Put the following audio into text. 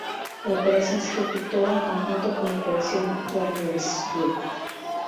La operación se ejecutó en conjunto con la Operación Warrior Sweep.